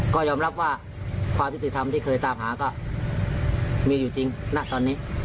ก็ยอมรับว่าความยุติธรรมที่เคยตามหาก็มีอยู่จริงณตอนนี้